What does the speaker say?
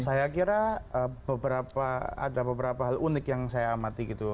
saya kira ada beberapa hal unik yang saya amati gitu